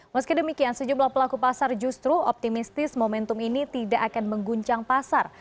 meski demikian sejumlah pelaku pasar justru optimistis momentum ini tidak akan mengguncang pasar